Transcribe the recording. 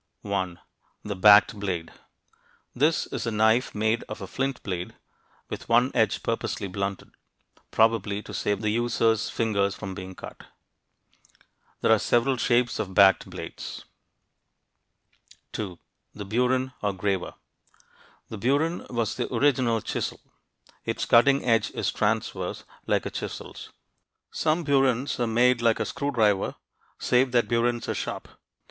1. The "backed" blade. This is a knife made of a flint blade, with one edge purposely blunted, probably to save the user's fingers from being cut. There are several shapes of backed blades (p. 73). [Illustration: TWO BURINS] 2. The burin or "graver." The burin was the original chisel. Its cutting edge is transverse, like a chisel's. Some burins are made like a screw driver, save that burins are sharp.